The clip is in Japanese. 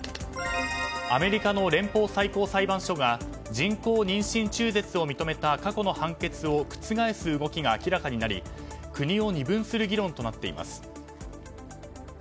アメリカの連邦最高裁判所が人工妊娠中絶を認めた過去の判決を覆す動きが明らかになり国を二分する議論となっています。